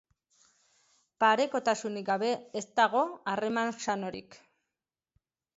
Parekotasunik gabe ez dago harreman sanorik.